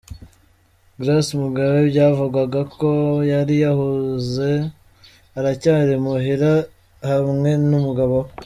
Grace Mugabe byavugwaga ko yari yahunze aracyari imuhira hamwe n’umugabo we.